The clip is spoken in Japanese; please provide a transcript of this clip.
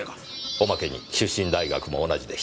おまけに出身大学も同じでした。